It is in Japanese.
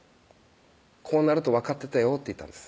「こうなると分かってたよ」って言ったんです